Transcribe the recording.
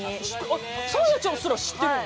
あっサーヤちゃんすら知ってるの？